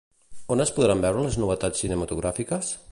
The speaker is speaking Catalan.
On es podran veure les novetats cinematogràfiques?